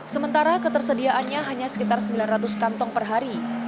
sementara ketersediaannya hanya sekitar sembilan ratus kantong per hari